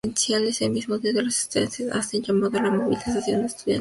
Ese mismo día los estudiantes hacen llamado a la movilización estudiantil.